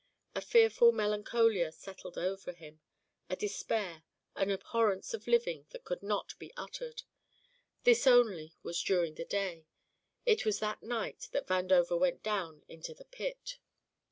A fearful melancholia settled over him, a despair, an abhorrence of living that could not be uttered. This only was during the day. It was that night that Vandover went down into the pit.